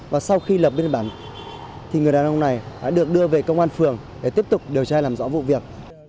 và sau khi lập biên bản người đàn ông này đã được đưa về công an phường để tiếp tục điều tra làm rõ vụ việc